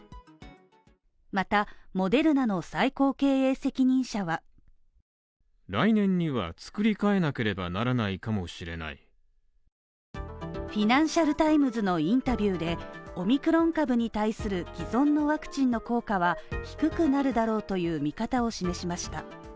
また、モデルナの最高経営責任者は「フィナンシャル・タイムズ」のインタビューでオミクロン株に対する既存のワクチンの効果は低くなるだろうという見方を示しました。